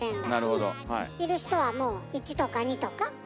だし要る人はもう１とか２とか。